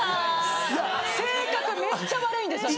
性格めっちゃ悪いんです私。